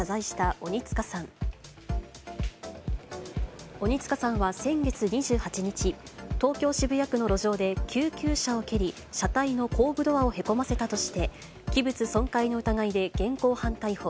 鬼束さんは先月２８日、東京・渋谷区の路上で救急車を蹴り、車体の後部ドアをへこませたとして、器物損壊の疑いで現行犯逮捕。